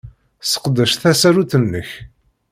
Sseqdec tasarut-nnek.